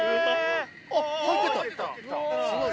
あっ入ってった。